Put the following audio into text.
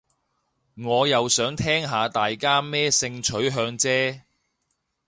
我又想聽下大家咩性取向啫